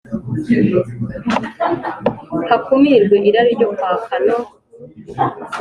hakumirwe irari ryo kwaka no